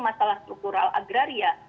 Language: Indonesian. masalah struktural agraria